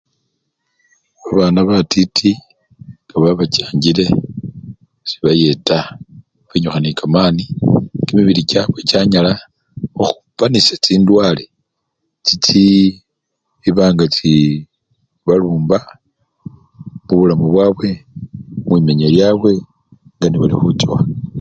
Babana batiti nga babachanjile, sibayeta benyukha nekamani kimibili kyabwe kyanyala khukhupanisya chindwale chichi! banga chi! balumba mubulamu bwabwe, mwimenya lyabwe nganebali khuchowa.